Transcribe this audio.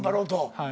はい。